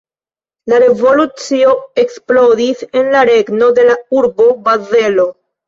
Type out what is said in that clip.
La revolucio eksplodis en la regno de la urbo Bazelo.